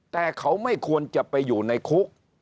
แต่เขาไม่ควรจะไปอยู่ในคุก